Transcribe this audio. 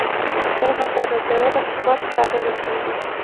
نن همدا نظریه د حکومت ساه ګڼل کېږي.